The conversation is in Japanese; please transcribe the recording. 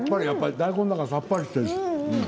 大根だからさっぱりしている。